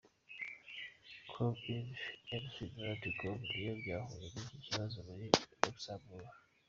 com Inc na McDonald Corp nabyo byahuye n’iki kibazo muri Luxembourg.